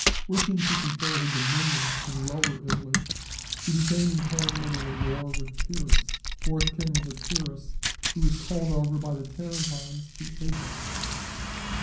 Wishing to confirm her dominion in Lower Italy, she became entangled in a war with Pyrrhus, fourth king of Epirus, who was called over by the Tarentines to aid them.